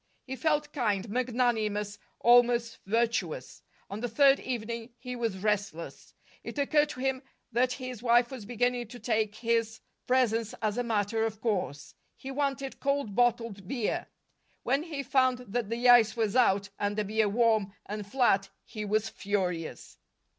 He felt kind, magnanimous, almost virtuous. On the third evening he was restless. It occurred to him that his wife was beginning to take his presence as a matter of course. He wanted cold bottled beer. When he found that the ice was out and the beer warm and flat, he was furious.